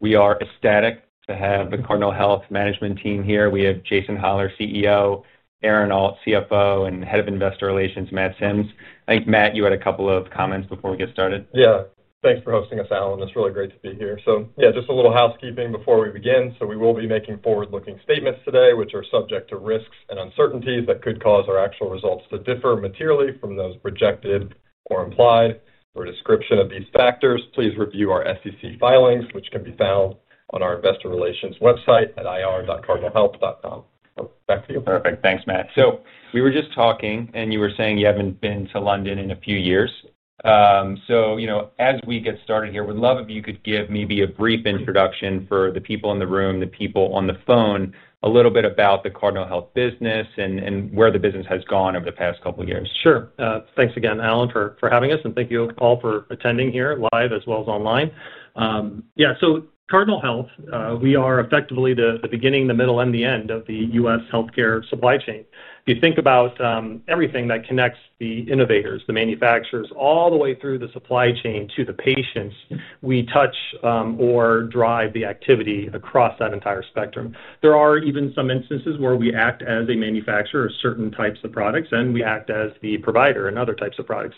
We are ecstatic to have the Cardinal Health Management Team here. We have Jason Hollar, CEO, Aaron Alt, CFO, and Head of Investor Relations, Matt Sims. I think, Matt, you had a couple of comments before we get started. Yeah, thanks for hosting us, Allen. It's really great to be here. Just a little housekeeping before we begin. We will be making forward-looking statements today, which are subject to risks and uncertainties that could cause our actual results to differ materially from those projected or implied. For a description of these factors, please review our SEC filings, which can be found on our Investor Relations website at ir.cardinalhealth.com. Back to you. Perfect. Thanks, Matt. We were just talking and you were saying you haven't been to London in a few years. As we get started here, we'd love if you could give maybe a brief introduction for the people in the room, the people on the phone, a little bit about the Cardinal Health business and where the business has gone over the past couple of years. Sure. Thanks again, Allen, for having us, and thank you all for attending here live as well as online. Cardinal Health, we are effectively the beginning, the middle, and the end of the U.S. healthcare supply chain. If you think about everything that connects the innovators, the manufacturers, all the way through the supply chain to the patients, we touch or drive the activity across that entire spectrum. There are even some instances where we act as a manufacturer of certain types of products, and we act as the provider in other types of products.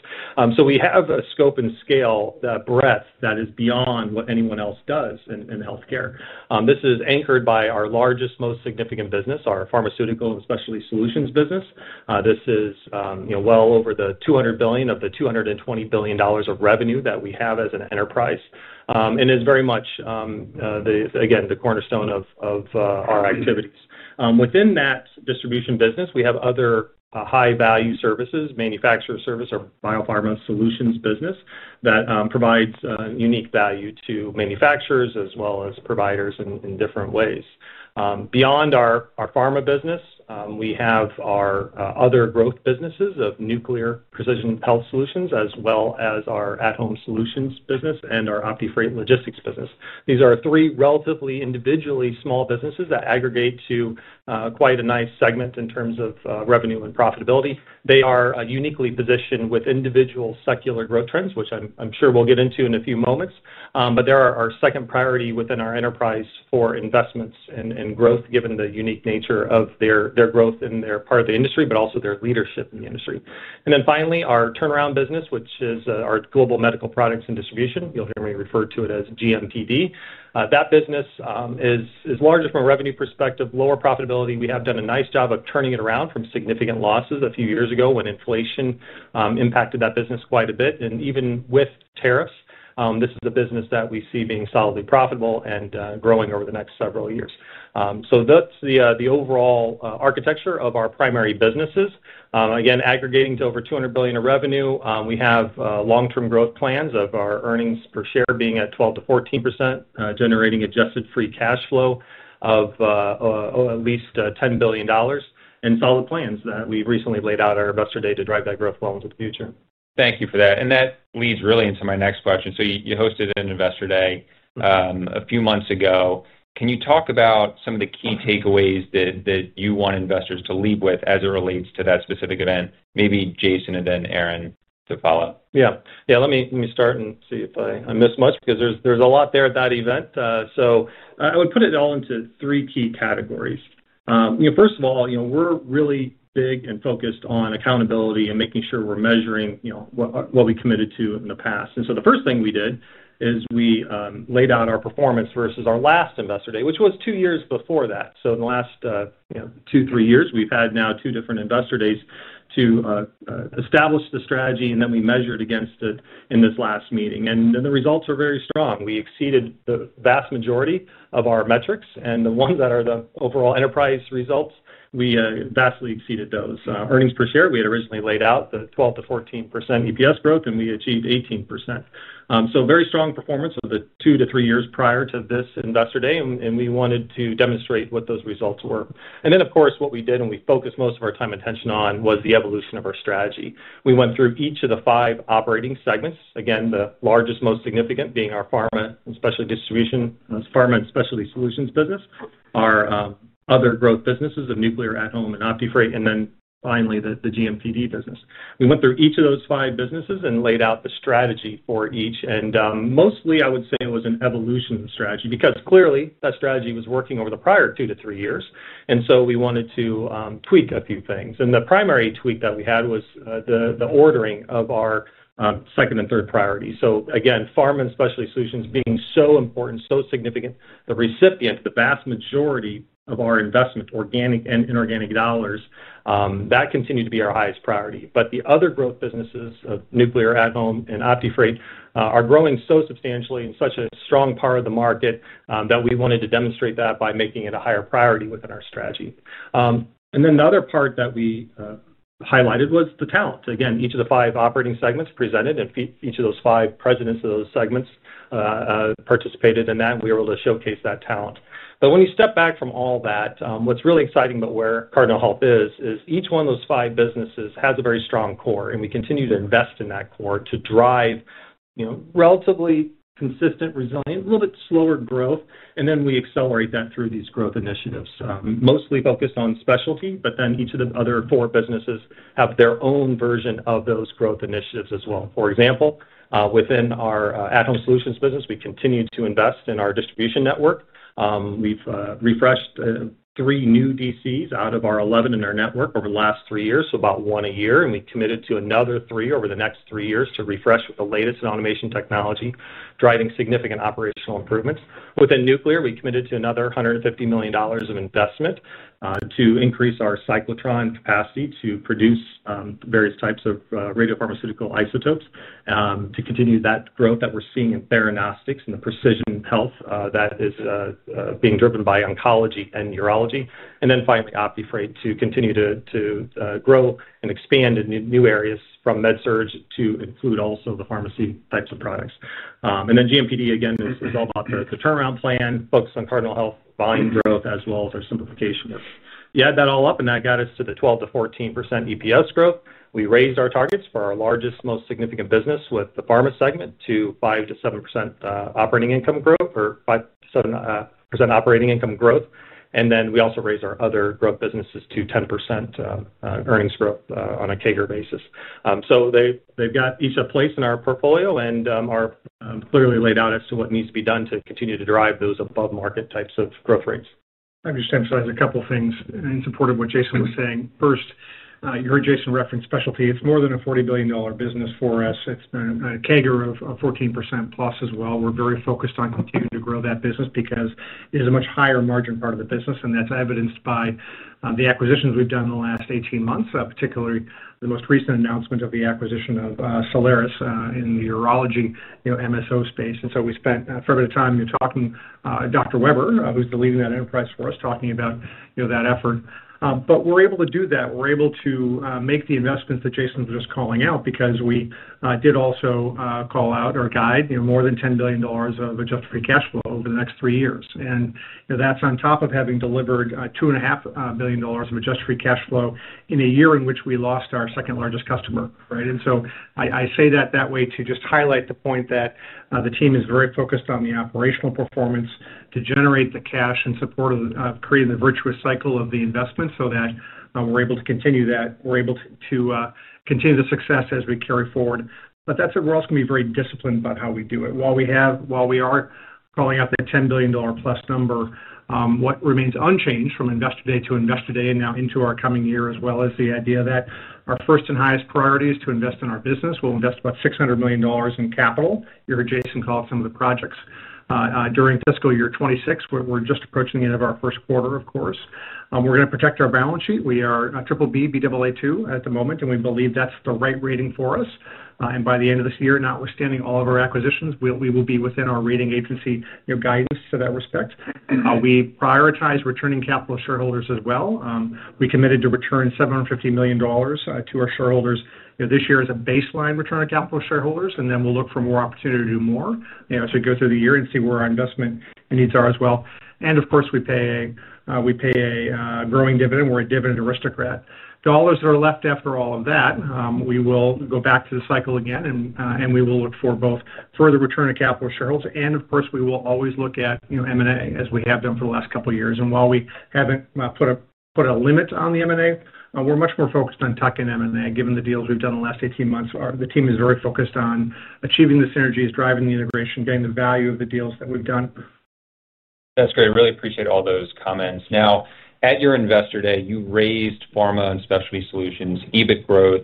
We have a scope and scale, that breadth that is beyond what anyone else does in healthcare. This is anchored by our largest, most significant business, our pharmaceutical and specialty solutions business. This is well over the $200 billion of the $220 billion of revenue that we have as an enterprise. It's very much, again, the cornerstone of our activities. Within that distribution business, we have other high-value services, manufacturer service or biopharma solutions business that provides unique value to manufacturers as well as providers in different ways. Beyond our pharma business, we have our other growth businesses of Nuclear & Precision Health Solutions, as well as our at-Home Solutions business and our OptiFreight Logistics business. These are three relatively individually small businesses that aggregate to quite a nice segment in terms of revenue and profitability. They are uniquely positioned with individual secular growth trends, which I'm sure we'll get into in a few moments. They are our second priority within our enterprise for investments and growth, given the unique nature of their growth in their part of the industry, but also their leadership in the industry. Finally, our turnaround business, which is our Global Medical Products and Distribution. You'll hear me refer to it as GMPD. That business is larger from a revenue perspective, lower profitability. We have done a nice job of turning it around from significant losses a few years ago when inflation impacted that business quite a bit. Even with tariffs, this is a business that we see being solidly profitable and growing over the next several years. That's the overall architecture of our primary businesses. Again, aggregating to over $200 billion in revenue, we have long-term growth plans of our earnings per share being at 12%-14%, generating adjusted free cash flow of at least $10 billion, and solid plans that we've recently laid out at our Investor Day to drive that growth well into the future. Thank you for that. That leads really into my next question. You hosted an Investor Day a few months ago. Can you talk about some of the key takeaways that you want investors to leave with as it relates to that specific event? Maybe Jason and then Aaron to follow. Yeah, let me start and see if I missed much, because there's a lot there at that event. I would put it all into three key categories. First of all, we're really big and focused on accountability and making sure we're measuring what we committed to in the past. The first thing we did is we laid out our performance versus our last Investor Day, which was two years before that. In the last two, three years, we've had now two different Investor Days to establish the strategy, and then we measured against it in this last meeting. The results are very strong. We exceeded the vast majority of our metrics, and the ones that are the overall enterprise results, we vastly exceeded those. Earnings per share, we had originally laid out the 12%-14% EPS growth, and we achieved 18%. Very strong performance of the two to three years prior to this Investor Day, and we wanted to demonstrate what those results were. Of course, what we did, and we focused most of our time and attention on, was the evolution of our strategy. We went through each of the five operating segments, again, the largest, most significant being our pharma and specialty solutions business, our other growth businesses of Nuclear, at-Home, and OptiFreight, and then finally the GMPD business. We went through each of those five businesses and laid out the strategy for each. Mostly, I would say it was an evolution strategy, because clearly that strategy was working over the prior two to three years. We wanted to tweak a few things. The primary tweak that we had was the ordering of our second and third priority. Again, pharma and specialty solutions being so important, so significant, the recipient, the vast majority of our investment, organic and inorganic dollars, that continued to be our highest priority. The other growth businesses of Nuclear, at-Home, and OptiFreight are growing so substantially in such a strong part of the market that we wanted to demonstrate that by making it a higher priority within our strategy. The other part that we highlighted was the talent. Each of the five operating segments presented, and each of those five presidents of those segments participated in that, and we were able to showcase that talent. When you step back from all that, what's really exciting about where Cardinal Health is, is each one of those five businesses has a very strong core, and we continue to invest in that core to drive, you know, relatively consistent, resilient, a little bit slower growth. We accelerate that through these growth initiatives, mostly focused on specialty, but then each of the other four businesses have their own version of those growth initiatives as well. For example, within our at-Home Solutions business, we continue to invest in our distribution network. We've refreshed three new DCs out of our 11 in our network over the last three years, so about one a year, and we committed to another three over the next three years to refresh with the latest in automation technology, driving significant operational improvements. Within Nuclear, we committed to another $150 million of investment to increase our cyclotron capacity to produce various types of radiopharmaceutical isotopes, to continue that growth that we're seeing in theranostics and the precision health that is being driven by oncology and urology. Finally, OptiFreight will continue to grow and expand in new areas from MedSurg to include also the pharmacy types of products. GMPD, again, is all about the turnaround plan, focused on Cardinal Health volume growth, as well as our simplification of it. You add that all up, and that got us to the 12%-14% EPS growth. We raised our targets for our largest, most significant business with the pharma segment to 5%-7% operating income growth. We also raised our other growth businesses to 10% earnings growth on a CAGR basis. They've got each a place in our portfolio, and are clearly laid out as to what needs to be done to continue to drive those above-market types of growth rates. I'd just emphasize a couple of things in support of what Jason was saying. First, you heard Jason reference specialty. It's more than a $40 billion business for us. It's a CAGR of 14%+ as well. We're very focused on continuing to grow that business because it is a much higher margin part of the business, and that's evidenced by the acquisitions we've done in the last 18 months, particularly the most recent announcement of the acquisition of Solaris in the urology MSO space. We spent a fair bit of time talking to Dr. Weber, who's the lead in that enterprise for us, talking about that effort. We're able to do that. We're able to make the investments that Jason was just calling out because we did also call out or guide more than $10 billion of adjusted free cash flow over the next three years. That's on top of having delivered $2.5 billion of adjusted free cash flow in a year in which we lost our second largest customer. I say that that way to just highlight the point that the team is very focused on the operational performance to generate the cash in support of creating the virtuous cycle of the investment so that we're able to continue that. We're able to continue the success as we carry forward. That's what we're also going to be very disciplined about, how we do it. While we are calling out that $10 billion+ number, what remains unchanged from Investor Day to Investor Day and now into our coming year, as well as the idea that our first and highest priority is to invest in our business. We'll invest about $600 million in capital. You heard Jason call out some of the projects. During fiscal year 2026, we're just approaching the end of our first quarter, of course. We're going to protect our balance sheet. We are BBB rated at the moment, and we believe that's the right rating for us. By the end of this year, notwithstanding all of our acquisitions, we will be within our rating agency guidance to that respect. We prioritize returning capital to shareholders as well. We committed to return $750 million to our shareholders this year as a baseline return of capital to shareholders, and then we'll look for more opportunity to do more as we go through the year and see where our investment needs are as well. Of course, we pay a growing dividend. We're a dividend aristocrat. Dollars that are left after all of that, we will go back to the cycle again, and we will look for both further return of capital to shareholders, and of course, we will always look at M&A as we have done for the last couple of years. While we haven't put a limit on the M&A, we're much more focused on tuck-in M&A given the deals we've done in the last 18 months. The team is very focused on achieving the synergies, driving the integration, getting the value of the deals that we've done. That's great. I really appreciate all those comments. Now, at your Investor Day, you raised pharma and specialty solutions EBIT growth.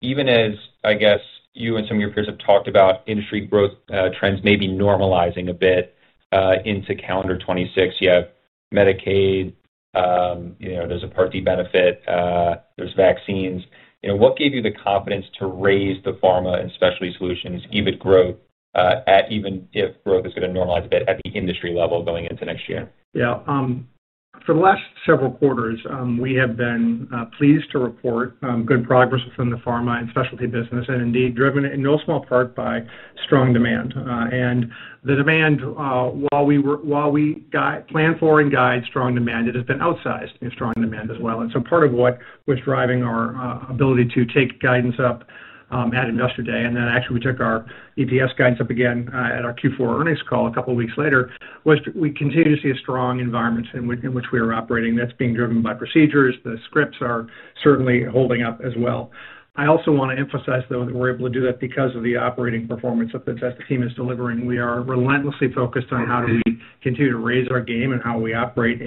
Even as, I guess, you and some of your peers have talked about industry growth trends maybe normalizing a bit into calendar 2026. You have Medicaid, you know, there's a Part D benefit, there's vaccines. You know, what gave you the confidence to raise the pharma and specialty solutions EBIT growth at even if growth is going to normalize a bit at the industry level going into next year? Yeah, for the last several quarters, we have been pleased to report good progress within the pharma and specialty business, and indeed driven in no small part by strong demand. The demand, while we plan for and guide strong demand, has been outsized in strong demand as well. Part of what was driving our ability to take guidance up at Investor Day, and then actually we took our EPS guidance up again at our Q4 earnings call a couple of weeks later, was we continue to see a strong environment in which we are operating that's being driven by procedures. The scripts are certainly holding up as well. I also want to emphasize, though, that we're able to do that because of the operating performance that the team is delivering. We are relentlessly focused on how do we continue to raise our game and how we operate.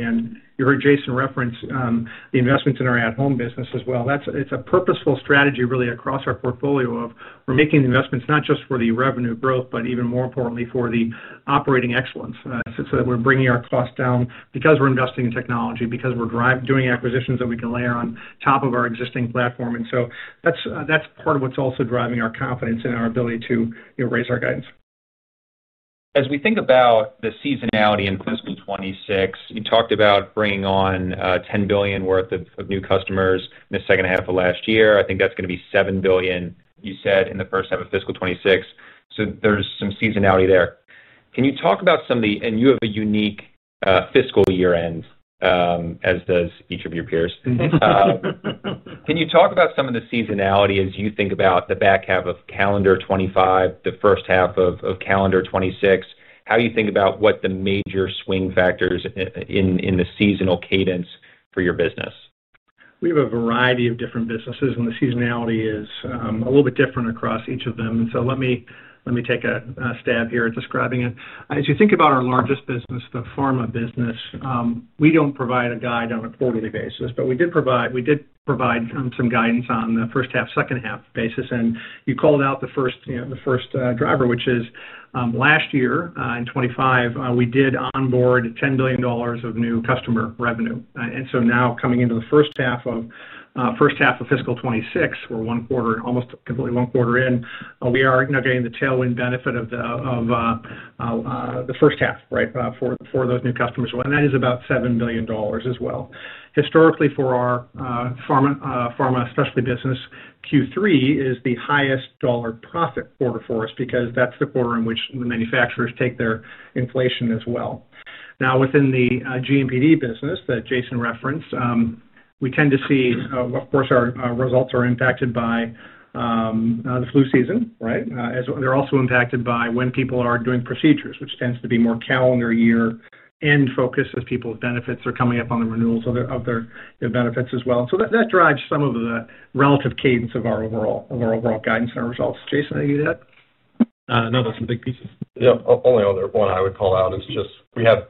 You heard Jason reference the investments in our at-Home business as well. It's a purposeful strategy really across our portfolio of we're making investments not just for the revenue growth, but even more importantly for the operating excellence. We are bringing our costs down because we're investing in technology, because we're doing acquisitions that we can layer on top of our existing platform. That's part of what's also driving our confidence in our ability to raise our guidance. As we think about the seasonality in fiscal 2026, you talked about bringing on $10 billion worth of new customers in the second half of last year. I think that's going to be $7 billion, you said, in the first half of fiscal 2026. There is some seasonality there. Can you talk about some of the, and you have a unique fiscal year-end as does each of your peers. Can you talk about some of the seasonality as you think about the back half of calendar 2025, the first half of calendar 2026, how you think about what the major swing factors in the seasonal cadence for your business? We have a variety of different businesses, and the seasonality is a little bit different across each of them. Let me take a stab here at describing it. As you think about our largest business, the pharma business, we don't provide a guide on a quarterly basis, but we did provide some guidance on the first half, second half basis. You called out the first driver, which is last year in 2025, we did onboard $10 billion of new customer revenue. Now coming into the first half of fiscal 2026, we're one quarter, almost completely one quarter in. We are now getting the tailwind benefit of the first half, right, for those new customers. That is about $7 billion as well. Historically, for our pharma and specialty business, Q3 is the highest dollar profit quarter for us because that's the quarter in which the manufacturers take their inflation as well. Within the GMPD business that Jason referenced, we tend to see, of course, our results are impacted by the flu season, right? They're also impacted by when people are doing procedures, which tends to be more calendar year-end focused as people's benefits are coming up on the renewals of their benefits as well. That drives some of the relative cadence of our overall guidance and our results. Jason, are you good? No, that's a big piece. The only other one I would call out is just we have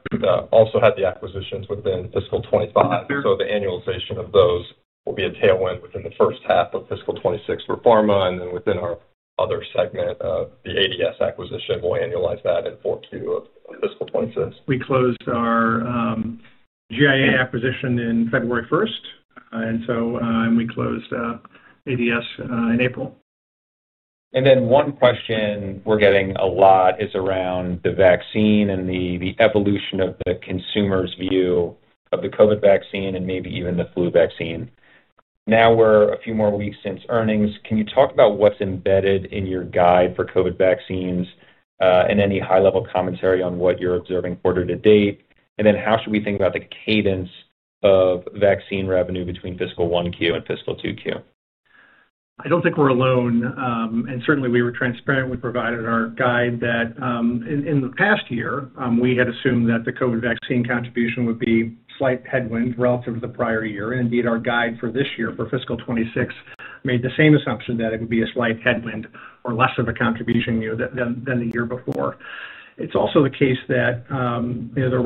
also had the acquisitions within fiscal 2025. The annualization of those will be a tailwind within the first half of fiscal 2026 for pharma, and then within our other segment of the ADS acquisition, we'll annualize that in [inaudible] of fiscal 2026. We closed our GI acquisition on February 1. We closed ADS in April. One question we're getting a lot is around the vaccine and the evolution of the consumer's view of the COVID vaccine and maybe even the flu vaccine. Now we're a few more weeks since earnings. Can you talk about what's embedded in your guide for COVID vaccines and any high-level commentary on what you're observing quarter to date? How should we think about the cadence of vaccine revenue between fiscal 1Q and fiscal 2Q? I don't think we're alone. Certainly, we were transparent when we provided our guide that in the past year, we had assumed that the COVID vaccine contribution would be a slight headwind relative to the prior year. Indeed, our guide for this year, for fiscal 2026, made the same assumption that it would be a slight headwind or less of a contribution year than the year before. It's also the case that the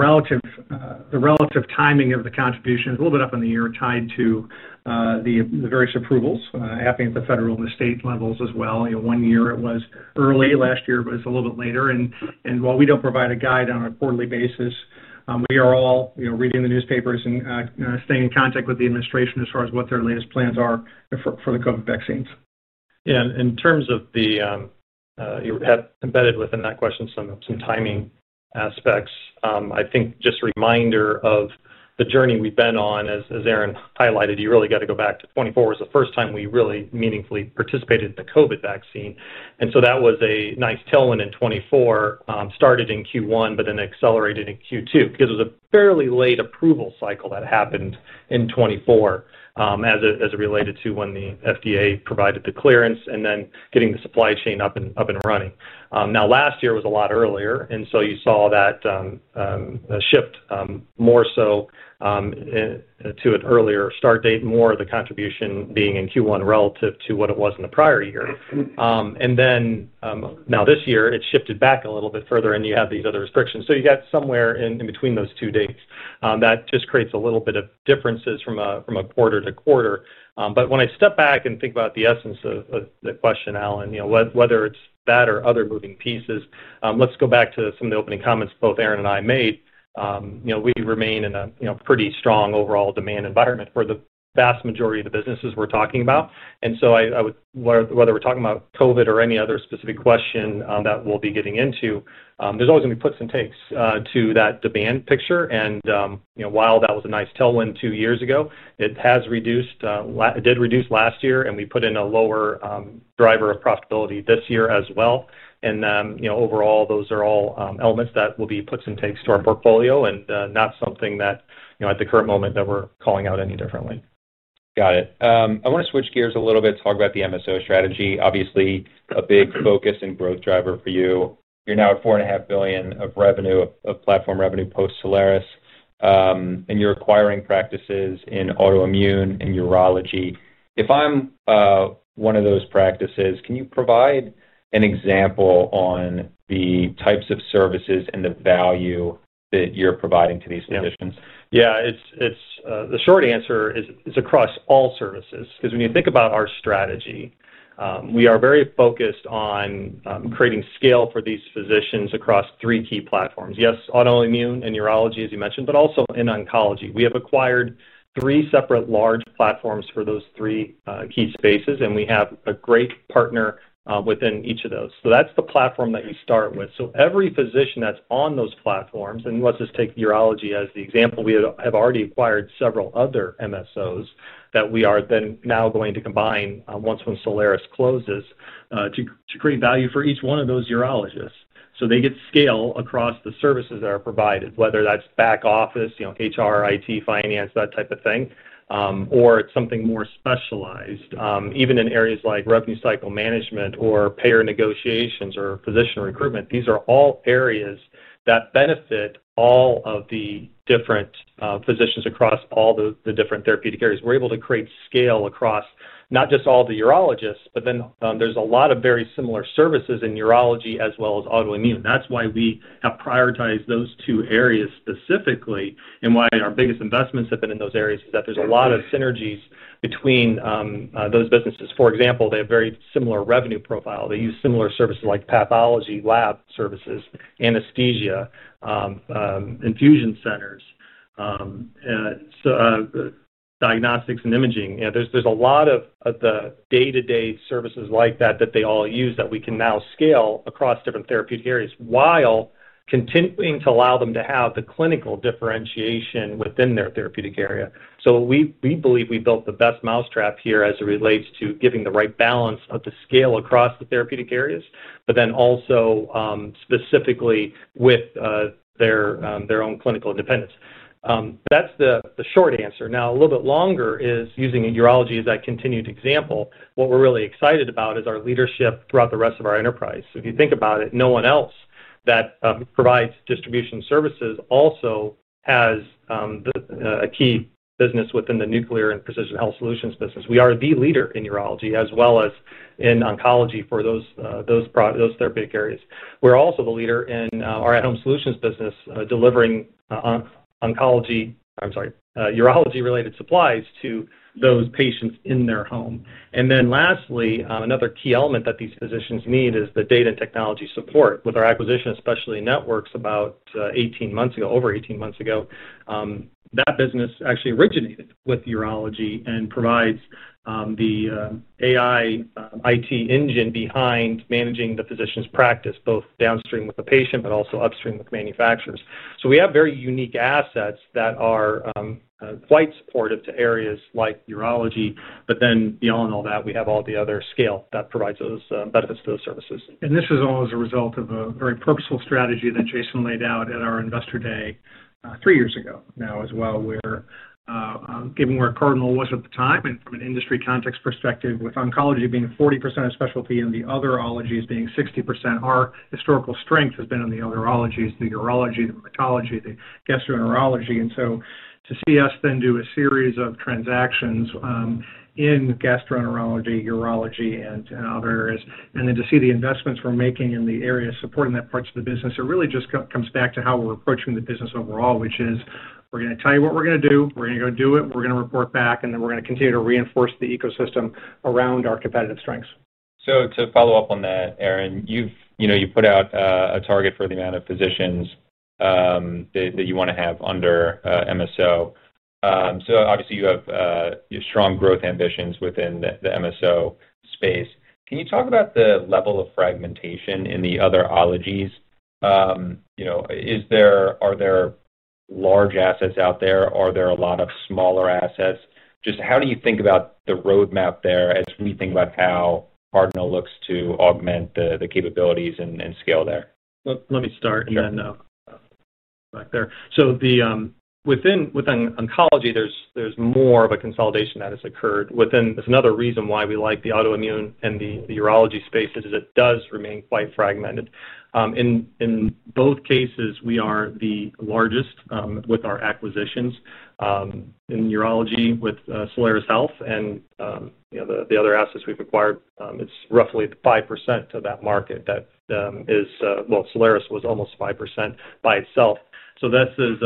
relative timing of the contribution is a little bit up in the year tied to the various approvals, happening at the federal and the state levels as well. One year it was early, last year it was a little bit later. While we don't provide a guide on a quarterly basis, we are all reading the newspapers and staying in contact with the administration as far as what their latest plans are for the COVID vaccines. In terms of the, you had embedded within that question some timing aspects, I think just a reminder of the journey we've been on. As Aaron highlighted, you really got to go back to 2024 was the first time we really meaningfully participated in the COVID vaccine. That was a nice tailwind in 2024, started in Q1, but then accelerated in Q2 because it was a fairly late approval cycle that happened in 2024 as it related to when the FDA provided the clearance and then getting the supply chain up and running. Last year was a lot earlier. You saw that shift more so to an earlier start date, more of the contribution being in Q1 relative to what it was in the prior year. Now this year, it shifted back a little bit further and you have these other restrictions. You got somewhere in between those two dates. That just creates a little bit of differences from a quarter to quarter. When I step back and think about the essence of the question, Allen, whether it's that or other moving pieces, let's go back to some of the opening comments both Aaron and I made. We remain in a pretty strong overall demand environment for the vast majority of the businesses we're talking about. I would, whether we're talking about COVID or any other specific question that we'll be getting into, there's always going to be puts and takes to that demand picture. While that was a nice tailwind two years ago, it has reduced, it did reduce last year, and we put in a lower driver of profitability this year as well. Overall, those are all elements that will be puts and takes to our portfolio and not something that at the current moment that we're calling out any differently. Got it. I want to switch gears a little bit, talk about the MSO strategy. Obviously, a big focus and growth driver for you. You're now at $4.5 billion of revenue, of platform revenue post-Solaris. You're acquiring practices in autoimmune and urology. If I'm one of those practices, can you provide an example on the types of services and the value that you're providing to these physicians? Yeah, the short answer is across all services, because when you think about our strategy, we are very focused on creating scale for these physicians across three key platforms. Yes, autoimmune and urology, as you mentioned, but also in oncology. We have acquired three separate large platforms for those three key spaces, and we have a great partner within each of those. That's the platform that you start with. Every physician that's on those platforms, and let's just take urology as the example, we have already acquired several other MSOs that we are then now going to combine once Solaris closes to create value for each one of those urologists. They get scale across the services that are provided, whether that's back office, you know, HR, IT, finance, that type of thing, or it's something more specialized, even in areas like revenue cycle management or payer negotiations or physician recruitment. These are all areas that benefit all of the different physicians across all the different therapeutic areas. We're able to create scale across not just all the urologists, but then there's a lot of very similar services in urology as well as autoimmune. That's why we have prioritized those two areas specifically, and why our biggest investments have been in those areas is that there's a lot of synergies between those businesses. For example, they have very similar revenue profile. They use similar services like pathology, lab services, anesthesia, infusion centers, diagnostics, and imaging. There's a lot of the day-to-day services like that that they all use that we can now scale across different therapeutic areas while continuing to allow them to have the clinical differentiation within their therapeutic area. We believe we built the best mousetrap here as it relates to giving the right balance of the scale across the therapeutic areas, but then also specifically with their own clinical independence. That's the short answer. A little bit longer is using urology as that continued example. What we're really excited about is our leadership throughout the rest of our enterprise. If you think about it, no one else that provides distribution services also has a key business within the Nuclear & Precision Health Solutions business. We are the leader in urology as well as in oncology for those therapeutic areas. We're also the leader in our at-Home Solutions business delivering oncology, I'm sorry, urology-related supplies to those patients in their home. Lastly, another key element that these physicians need is the data and technology support. With our acquisition of specialty networks about 18 months ago, over 18 months ago, that business actually originated with urology and provides the AI IT engine behind managing the physician's practice, both downstream with the patient, but also upstream with manufacturers. We have very unique assets that are quite supportive to areas like urology, but then beyond all that, we have all the other scale that provides those benefits to those services. This is all as a result of a very purposeful strategy that Jason laid out at our Investor Day three years ago now as well, where given where Cardinal was at the time, and from an industry context perspective, with oncology being 40% of specialty and the other ologies being 60%, our historical strength has been in the other ologies, the urology, the oncology, the gastroenterology. To see us then do a series of transactions in gastroenterology, urology, and other areas, and to see the investments we're making in the areas supporting that parts of the business, it really just comes back to how we're approaching the business overall, which is we're going to tell you what we're going to do, we're going to go do it, we're going to report back, and then we're going to continue to reinforce the ecosystem around our competitive strengths. Aaron, you've put out a target for the amount of physicians that you want to have under MSO. You have strong growth ambitions within the MSO space. Can you talk about the level of fragmentation in the other ologies? Are there large assets out there? Are there a lot of smaller assets? How do you think about the roadmap there as we think about how Cardinal looks to augment the capabilities and scale there? Let me start and then back there. Within oncology, there's more of a consolidation that has occurred within. There's another reason why we like the autoimmune and the urology space: it does remain quite fragmented. In both cases, we are the largest with our acquisitions in urology with Solaris Health and the other assets we've acquired. It's roughly 5% of that market; Solaris was almost 5% by itself. This is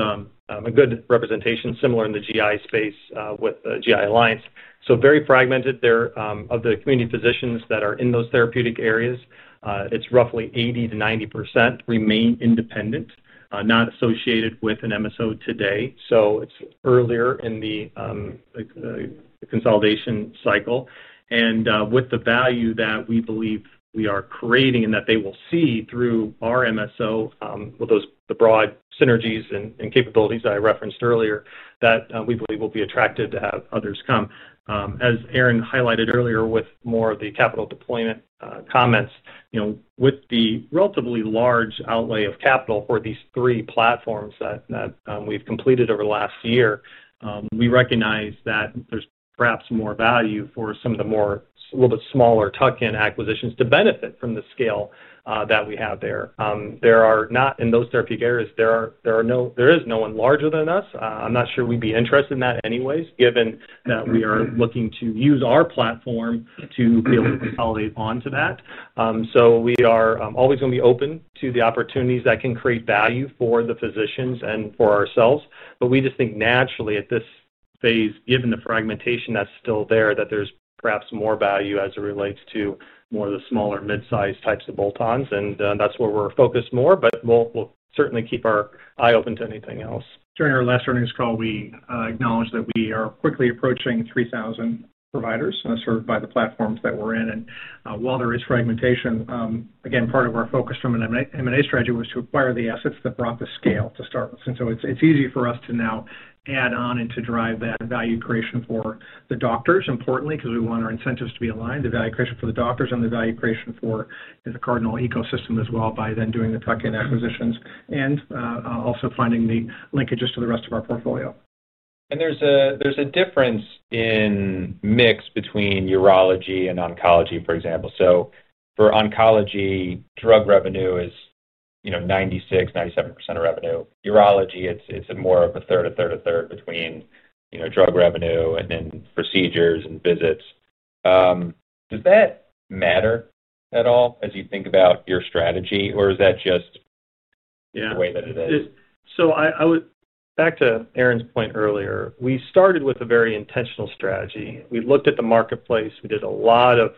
a good representation, similar in the GI space with GI Alliance. Very fragmented there. Of the community physicians that are in those therapeutic areas, it's roughly 80%-90% remain independent, not associated with an MSO today. It's earlier in the consolidation cycle. With the value that we believe we are creating and that they will see through our MSO with those broad synergies and capabilities that I referenced earlier, we believe it will be attractive to have others come. As Aaron highlighted earlier with more of the capital deployment comments, with the relatively large outlay of capital for these three platforms that we've completed over the last year, we recognize that there's perhaps more value for some of the more, a little bit smaller tuck-in acquisitions to benefit from the scale that we have there. In those therapeutic areas, there is no one larger than us. I'm not sure we'd be interested in that anyway, given that we are looking to use our platform to be able to consolidate onto that. We are always going to be open to the opportunities that can create value for the physicians and for ourselves. We just think naturally at this phase, given the fragmentation that's still there, that there's perhaps more value as it relates to more of the smaller mid-sized types of bolt-ons. That's where we're focused more, but we'll certainly keep our eye open to anything else. During our last earnings call, we acknowledged that we are quickly approaching 3,000 providers served by the platforms that we're in. While there is fragmentation, again, part of our focus from an M&A strategy was to acquire the assets that brought the scale to start with. It's easy for us to now add on and to drive that value creation for the doctors, importantly, because we want our incentives to be aligned, the value creation for the doctors and the value creation for the Cardinal ecosystem as well by then doing the tuck-in acquisitions and also finding the linkages to the rest of our portfolio. There's a difference in mix between urology and oncology, for example. For oncology, drug revenue is 96%, 97% of revenue. Urology, it's more of 1/3, 1/3, 1/3 between drug revenue and then procedures and visits. Does that matter at all as you think about your strategy, or is that just the way that it is? I would, back to Aaron's point earlier, we started with a very intentional strategy. We looked at the marketplace. We did a lot of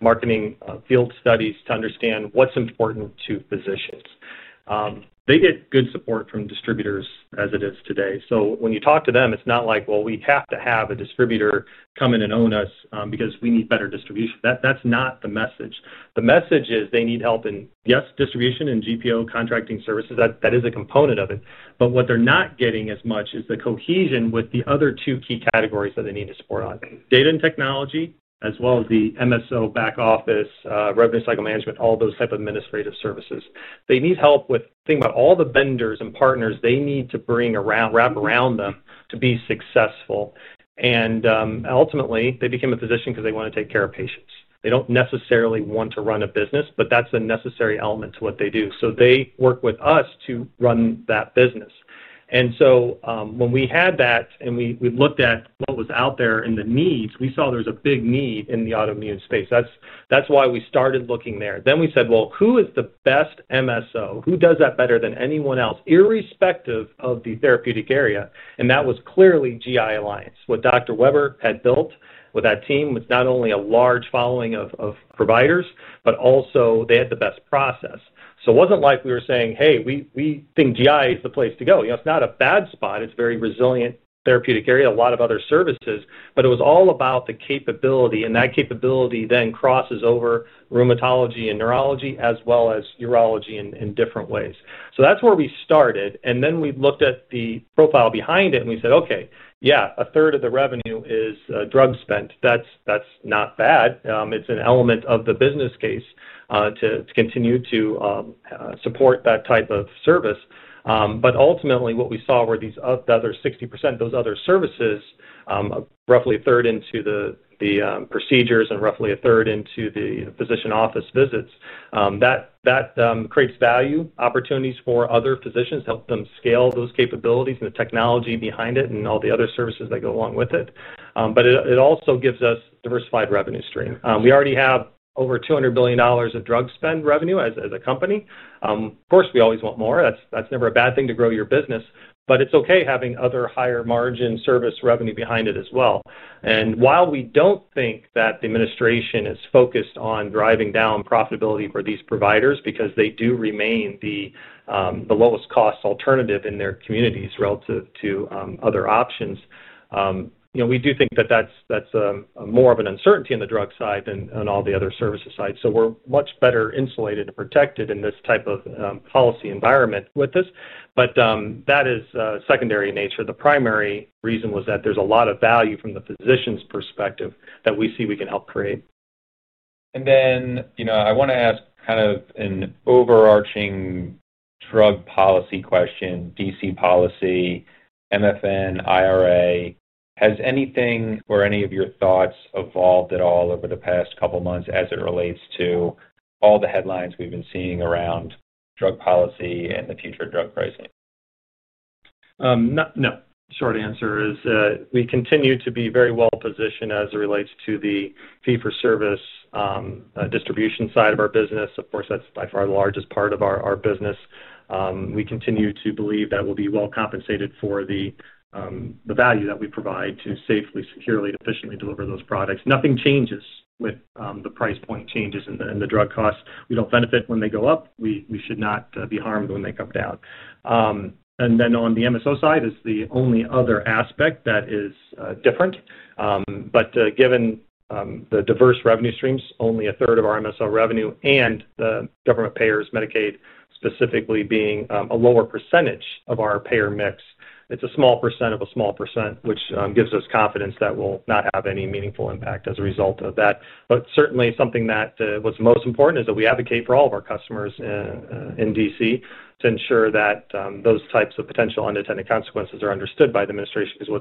marketing field studies to understand what's important to physicians. They get good support from distributors as it is today. When you talk to them, it's not like, well, we have to have a distributor come in and own us because we need better distribution. That's not the message. The message is they need help in, yes, distribution and GPO contracting services. That is a component of it. What they're not getting as much is the cohesion with the other two key categories that they need to support on: data and technology, as well as the MSO back office, revenue cycle management, all those types of administrative services. They need help with thinking about all the vendors and partners they need to bring around, wrap around them to be successful. Ultimately, they became a physician because they want to take care of patients. They don't necessarily want to run a business, but that's a necessary element to what they do. They work with us to run that business. When we had that and we looked at what was out there and the needs, we saw there was a big need in the autoimmune space. That's why we started looking there. We said, who is the best MSO? Who does that better than anyone else, irrespective of the therapeutic area? That was clearly GI Alliance. What Dr. Weber had built with that team was not only a large following of providers, but also they had the best process. It wasn't like we were saying, hey, we think GI is the place to go. You know, it's not a bad spot. It's a very resilient therapeutic area, a lot of other services. It was all about the capability. That capability then crosses over rheumatology and neurology, as well as urology in different ways. That's where we started. We looked at the profile behind it and we said, okay, yeah, 1/3 of the revenue is drug spend. That's not bad. It's an element of the business case to continue to support that type of service. Ultimately, what we saw were these other 60%, those other services, roughly 1/3 into the procedures and roughly 1/3 into the physician office visits. That creates value opportunities for other physicians to help them scale those capabilities and the technology behind it and all the other services that go along with it. It also gives us a diversified revenue stream. We already have over $200 billion of drug spend revenue as a company. Of course, we always want more. That's never a bad thing to grow your business. It's okay having other higher-margin service revenue behind it as well. While we don't think that the administration is focused on driving down profitability for these providers, because they do remain the lowest cost alternative in their communities relative to other options, we do think that that's more of an uncertainty on the drug side than on all the other services side. We're much better insulated and protected in this type of policy environment with this. That is secondary in nature. The primary reason was that there's a lot of value from the physician's perspective that we see we can help create. I want to ask kind of an overarching drug policy question, DC policy, MFN, IRA. Has anything or any of your thoughts evolved at all over the past couple of months as it relates to all the headlines we've been seeing around drug policy and the future of drug pricing? No. Short answer is we continue to be very well-positioned as it relates to the fee-for-service distribution side of our business. Of course, that's by far the largest part of our business. We continue to believe that we'll be well-compensated for the value that we provide to safely, securely, and efficiently deliver those products. Nothing changes with the price point changes in the drug costs. We don't benefit when they go up. We should not be harmed when they come down. On the MSO side is the only other aspect that is different. Given the diverse revenue streams, only 1/3 of our MSO revenue and the government payers, Medicaid specifically, being a lower percentage of our payer mix, it's a small percent of a small percent, which gives us confidence that we'll not have any meaningful impact as a result of that. Certainly, what's most important is that we advocate for all of our customers in D.C. to ensure that those types of potential unintended consequences are understood by the administration, because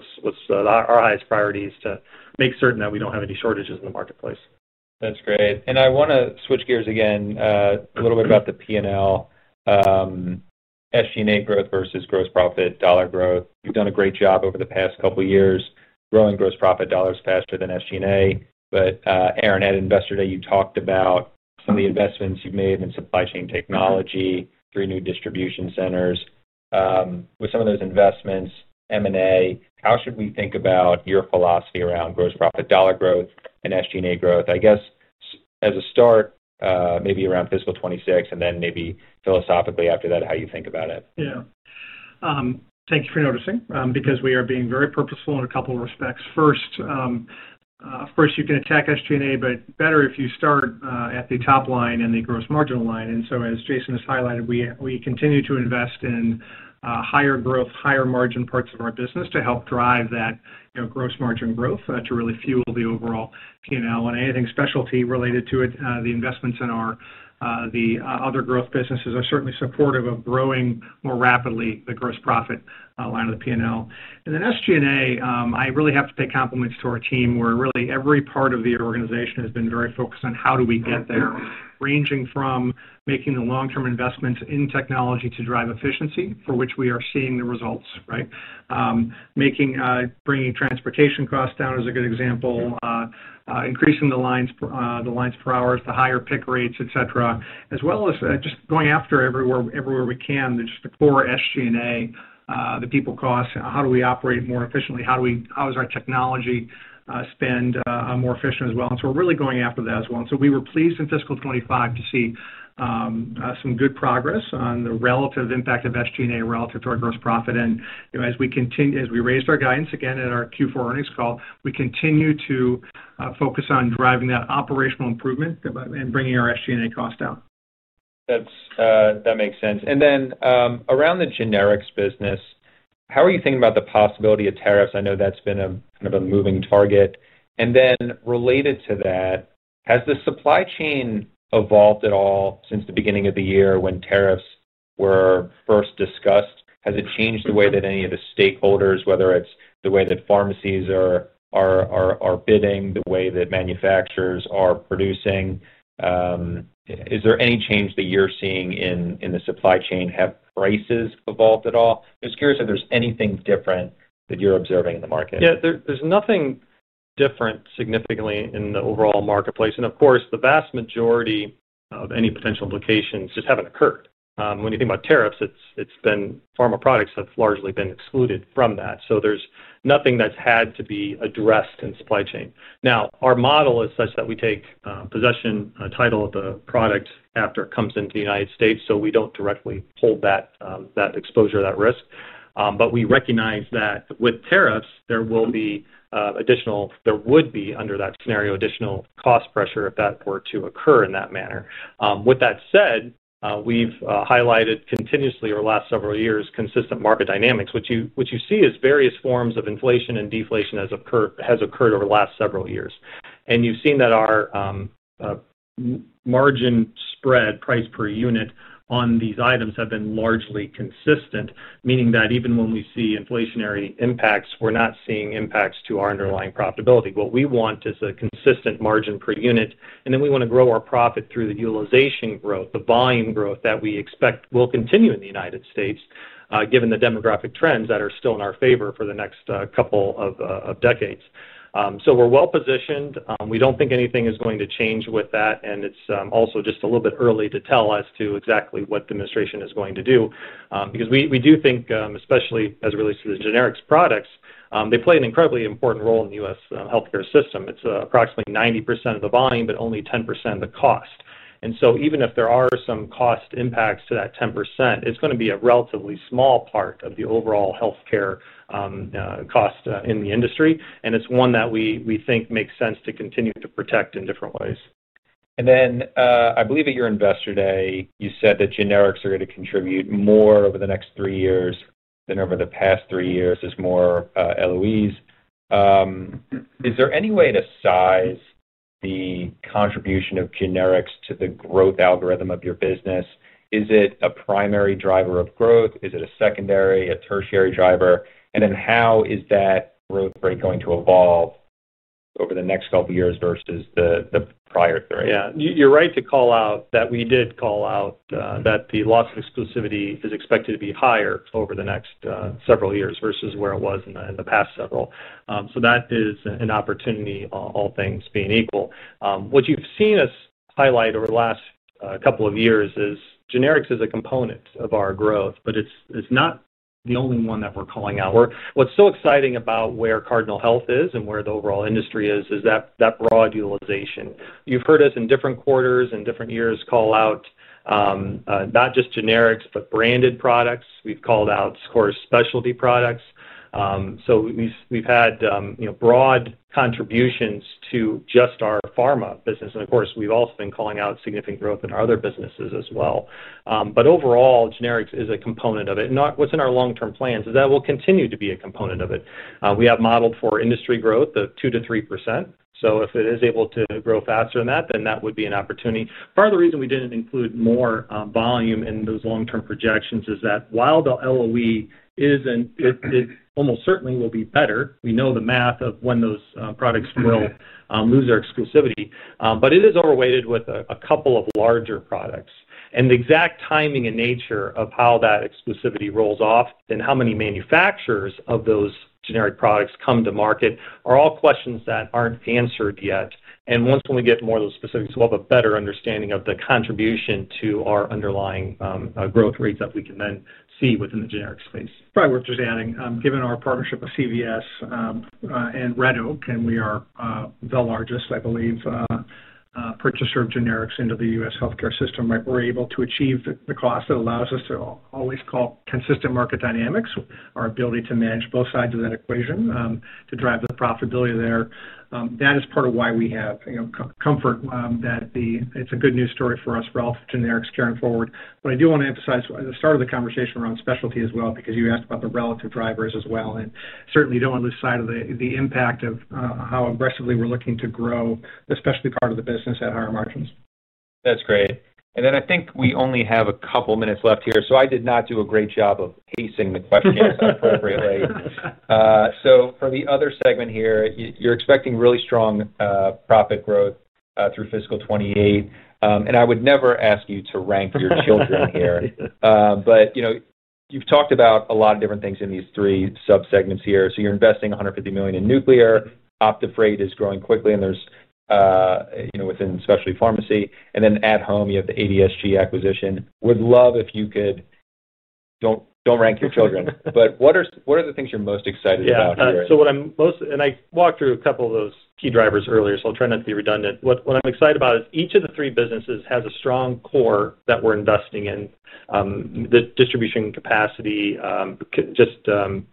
our highest priority is to make certain that we don't have any shortages in the marketplace. That's great. I want to switch gears again, a little bit about the P&L, SG&A growth versus gross profit dollar growth. You've done a great job over the past couple of years growing gross profit dollars faster than SG&A. Aaron, at Investor Day, you talked about some of the investments you've made in supply chain technology, three new distribution centers. With some of those investments, M&A, how should we think about your philosophy around gross profit dollar growth and SG&A growth? I guess as a start, maybe around fiscal 2026, and then maybe philosophically after that, how you think about it. Thank you for noticing, because we are being very purposeful in a couple of respects. First, of course, you can attack SG&A, but it's better if you start at the top line and the gross margin line. As Jason has highlighted, we continue to invest in higher growth, higher margin parts of our business to help drive that gross margin growth to really fuel the overall P&L. Anything specialty related to it, the investments in our other growth businesses are certainly supportive of growing more rapidly the gross profit line of the P&L. SG&A, I really have to pay compliments to our team where really every part of the organization has been very focused on how do we get there, ranging from making the long-term investments in technology to drive efficiency, for which we are seeing the results, right? Bringing transportation costs down is a good example, increasing the lines per hour, the higher pick rates, etc., as well as just going after everywhere we can, just the core SG&A, the people costs, how do we operate more efficiently, how is our technology spend more efficient as well. We are really going after that as well. We were pleased in fiscal 2025 to see some good progress on the relative impact of SG&A relative to our gross profit. As we raised our guidance again at our Q4 earnings call, we continue to focus on driving that operational improvement and bringing our SG&A costs down. That makes sense. Around the generics business, how are you thinking about the possibility of tariffs? I know that's been a kind of a moving target. Related to that, has the supply chain evolved at all since the beginning of the year when tariffs were first discussed? Has it changed the way that any of the stakeholders, whether it's the way that pharmacies are bidding, the way that manufacturers are producing? Is there any change that you're seeing in the supply chain? Have prices evolved at all? I'm just curious if there's anything different that you're observing in the market. Yeah, there's nothing different significantly in the overall marketplace. Of course, the vast majority of any potential implications just haven't occurred. When you think about tariffs, it's been pharma products that have largely been excluded from that. There's nothing that's had to be addressed in supply chain. Our model is such that we take possession, title of the product after it comes into the United States. We don't directly hold that exposure, that risk. We recognize that with tariffs, there will be additional, there would be under that scenario, additional cost pressure if that were to occur in that manner. With that said, we've highlighted continuously over the last several years consistent market dynamics, which you see as various forms of inflation and deflation that has occurred over the last several years. You've seen that our margin spread, price per unit on these items have been largely consistent, meaning that even when we see inflationary impacts, we're not seeing impacts to our underlying profitability. What we want is a consistent margin per unit. We want to grow our profit through the utilization growth, the volume growth that we expect will continue in the United States, given the demographic trends that are still in our favor for the next couple of decades. We're well-positioned. We don't think anything is going to change with that. It's also just a little bit early to tell as to exactly what the administration is going to do, because we do think, especially as it relates to the generics products, they play an incredibly important role in the U.S. healthcare system. It's approximately 90% of the volume, but only 10% of the cost. Even if there are some cost impacts to that 10%, it's going to be a relatively small part of the overall healthcare cost in the industry. It's one that we think makes sense to continue to protect in different ways. I believe at your Investor Day, you said that generics are going to contribute more over the next three years than over the past three years. There's more LOEs. Is there any way to size the contribution of generics to the growth algorithm of your business? Is it a primary driver of growth, a secondary, or a tertiary driver? How is that growth rate going to evolve over the next couple of years versus the prior three? Yeah, you're right to call out that we did call out that the loss of exclusivity is expected to be higher over the next several years versus where it was in the past several. That is an opportunity, all things being equal. What you've seen us highlight over the last couple of years is generics as a component of our growth, but it's not the only one that we're calling out. What's so exciting about where Cardinal Health is and where the overall industry is, is that broad utilization. You've heard us in different quarters and different years call out not just generics, but branded products. We've called out, of course, specialty products. We've had broad contributions to just our pharma business. Of course, we've also been calling out significant growth in our other businesses as well. Overall, generics is a component of it. What's in our long-term plans is that it will continue to be a component of it. We have modeled for industry growth of 2%-3%. If it is able to grow faster than that, then that would be an opportunity. Part of the reason we didn't include more volume in those long-term projections is that while the LOE isn't, it almost certainly will be better. We know the math of when those products will lose their exclusivity. It is overweighted with a couple of larger products. The exact timing and nature of how that exclusivity rolls off and how many manufacturers of those generic products come to market are all questions that aren't answered yet. Once we get more of those specifics, we'll have a better understanding of the contribution to our underlying growth rates that we can then see within the generic space. Probably worth just adding, given our partnership with CVS and Red Oak, and we are the largest, I believe, purchaser of generics into the U.S. healthcare system, we're able to achieve the cost that allows us to always call consistent market dynamics, our ability to manage both sides of that equation to drive the profitability there. That is part of why we have comfort that it's a good news story for us relative to generics carrying forward. I do want to emphasize the start of the conversation around specialty as well, because you asked about the relative drivers as well. Certainly, the only side of the impact of how aggressively we're looking to grow the specialty part of the business at higher margins. That's great. I think we only have a couple of minutes left here. I did not do a great job of pacing the questions appropriately. For the other segment here, you're expecting really strong profit growth through fiscal 2028. I would never ask you to rank your children here. You've talked about a lot of different things in these three subsegments here. You're investing $150 million in Nuclear. OptiFreight is growing quickly and there's, you know, within specialty pharmacy. At-Home, you have the ADSG acquisition. Would love if you could, don't rank your children, but what are the things you're most excited about here? What I'm most, and I walked through a couple of those key drivers earlier, so I'll try not to be redundant. What I'm excited about is each of the three businesses has a strong core that we're investing in. The distribution capacity, just the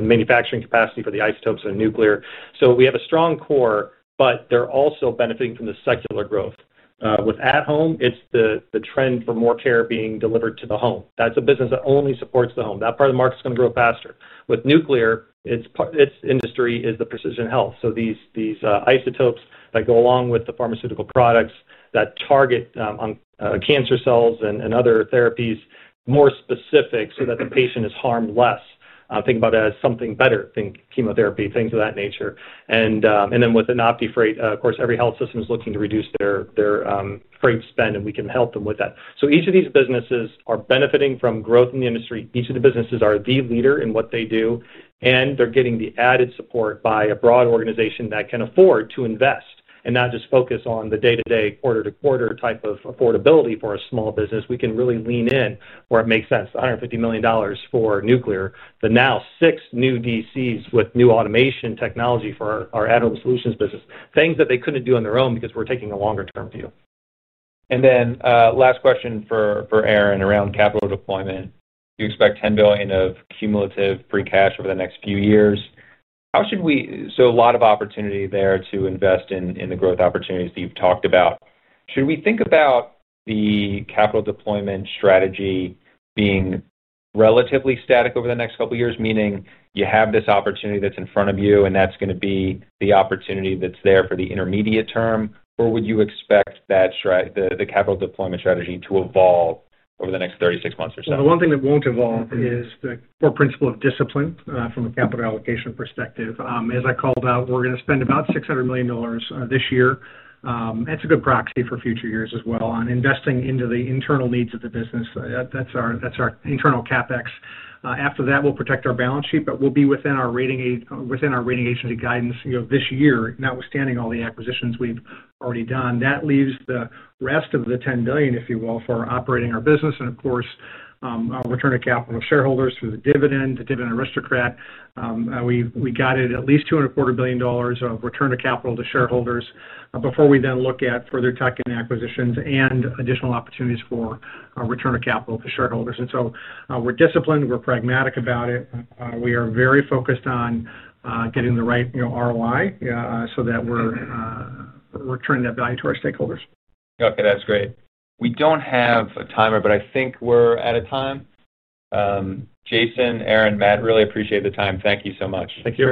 manufacturing capacity for the isotopes in nuclear. We have a strong core, but they're also benefiting from the secular growth. With at-Home, it's the trend for more care being delivered to the home. That's a business that only supports the home. That part of the market is going to grow faster. With Nuclear, its industry is the precision health. These isotopes go along with the pharmaceutical products that target cancer cells and other therapies more specific so that the patient is harmed less. Think about it as something better, think chemotherapy, things of that nature. With OptiFreight, every health system is looking to reduce their freight spend and we can help them with that. Each of these businesses are benefiting from growth in the industry. Each of the businesses are the leader in what they do. They're getting the added support by a broad organization that can afford to invest and not just focus on the day-to-day, quarter-to-quarter type of affordability for a small business. We can really lean in where it makes sense. $150 million for nuclear, but now six new DCs with new automation technology for our at-Home Solutions business. Things that they couldn't do on their own because we're taking a longer-term view. Last question for Aaron around capital deployment. You expect $10 billion of cumulative free cash over the next few years. How should we, so a lot of opportunity there to invest in the growth opportunities that you've talked about. Should we think about the capital deployment strategy being relatively static over the next couple of years, meaning you have this opportunity that's in front of you and that's going to be the opportunity that's there for the intermediate term, or would you expect the capital deployment strategy to evolve over the next 36 months or so? The one thing that won't evolve is the core principle of discipline from a capital allocation perspective. As I called out, we're going to spend about $600 million this year. That's a good proxy for future years as well. Investing into the internal needs of the business, that's our internal CapEx. After that, we'll protect our balance sheet, but we'll be within our rating agency guidance this year, notwithstanding all the acquisitions we've already done. That leaves the rest of the $10 billion, if you will, for operating our business. Of course, our return to capital of shareholders through the dividend, the dividend aristocrat. We got at least $2.25 billion of return to capital to shareholders before we then look at further tuck-in acquisitions and additional opportunities for return to capital to shareholders. We're disciplined, we're pragmatic about it. We are very focused on getting the right ROI so that we're returning that value to our stakeholders. Okay, that's great. We don't have a timer, but I think we're out of time. Jason, Aaron, Matt, really appreciate the time. Thank you so much. Thank you.